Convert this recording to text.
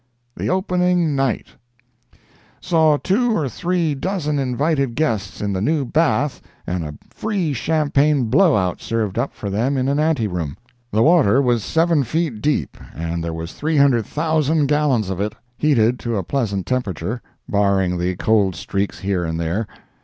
THE OPENING NIGHT Saw two or three dozen invited guests in the new bath and a free champagne blow out served up for them in an ante room. The water was seven feet deep, and there was 300,000 gallons of it, heated to a pleasant temperature, barring the cold streaks here and there.